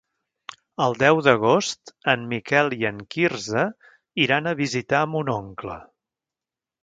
El deu d'agost en Miquel i en Quirze iran a visitar mon oncle.